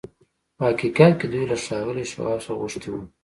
په حقيقت کې دوی له ښاغلي شواب څخه غوښتي وو.